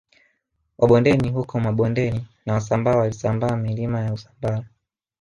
Wabondei huko Mabondeni na Wasambaa walisambaa milima ya Usambara